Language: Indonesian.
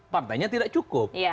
partainya tidak cukup